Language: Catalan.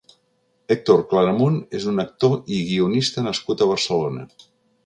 Héctor Claramunt és un actor i guionista nascut a Barcelona.